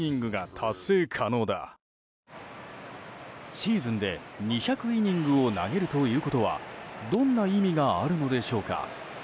シーズンで２００イニングを投げるということはどんな意味があるのでしょうか。